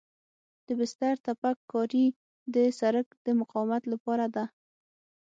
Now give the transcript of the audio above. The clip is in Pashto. د بستر تپک کاري د سرک د مقاومت لپاره ده